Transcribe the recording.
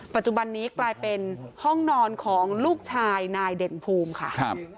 ปัจจุบันนี้กลายเป็นห้องนอนของลูกชายนายเด่นภูมิค่ะครับ